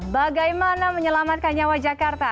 bagaimana menyelamatkan nyawa jakarta